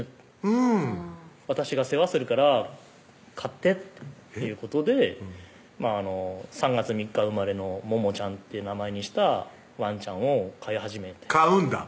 うん「私が世話するから買って」っていうことで３月３日生まれのモモちゃんって名前にしたワンちゃんを飼い始めて買うんだ